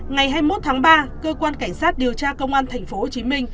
ngày hai mươi một tháng ba cơ quan cảnh sát điều tra công an tp hcm